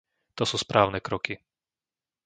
To sú správne kroky.